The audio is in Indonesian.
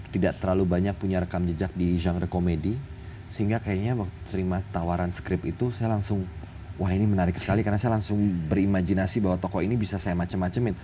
tidak terlalu banyak punya rekam jejak di genre comedy sehingga kayaknya waktu terima tawaran script itu saya langsung wah ini menarik sekali karena saya langsung berimajinasi bahwa toko ini bisa saya macem macemin